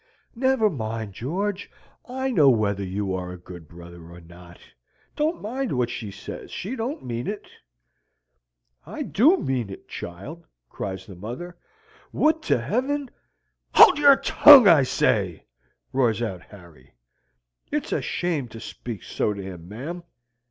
"Never mind, George. I know whether you are a good brother or not. Don't mind what she says. She don't mean it." "I do mean it, child," cries the mother. Would to Heaven " "HOLD YOUR TONGUE, I SAY" roars out Harry. "It's a shame to speak so to him, ma'am."